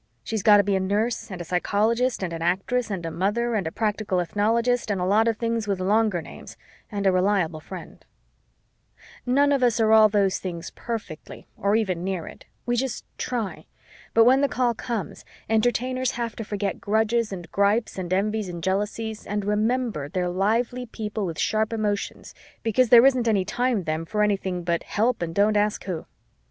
She's got to be a nurse and a psychologist and an actress and a mother and a practical ethnologist and a lot of things with longer names and a reliable friend. None of us are all those things perfectly or even near it. We just try. But when the call comes, Entertainers have to forget grudges and gripes and envies and jealousies and remember, they're lively people with sharp emotions because there isn't any time then for anything but help and don't ask who!